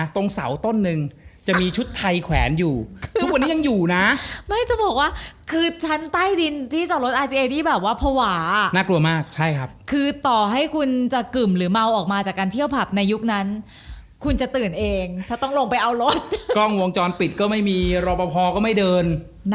ต่างเนื่องเองเลย